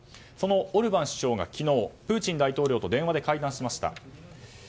そのオルバン首相が昨日プーチン大統領と電話で会談しました。